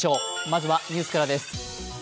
まずはニュースからです。